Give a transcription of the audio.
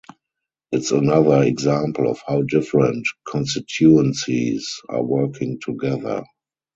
It's another example of how different constituencies are working together.